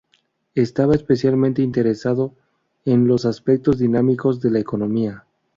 Estaba especialmente interesado en los aspectos dinámicos de la economía.